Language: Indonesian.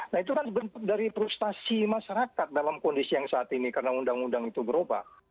nah itu kan bentuk dari frustasi masyarakat dalam kondisi yang saat ini karena undang undang itu berubah